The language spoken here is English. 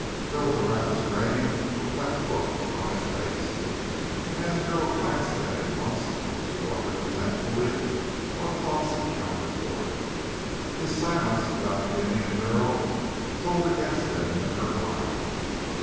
There was a rather strained, perplexed look on his face, and as the girl glanced at him once she wondered resentfully what thoughts accounted for it. His silence about the Indian girl told against him in her mind.